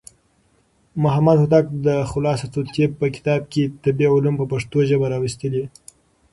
محمد هوتک د خلاصة الطب په کتاب کې طبي علوم په پښتو ژبه راوستلي.